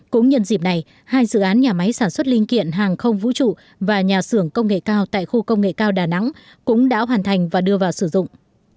cũng nhân dịp này hai dự án nhà máy sản xuất linh kiện hàng không vũ trụ và nhà xưởng công nghệ cao tại khu công nghệ cao đà nẵng cũng đã hoàn thành và đưa vào sử dụng